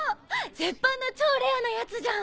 絶版の超レアなやつじゃん！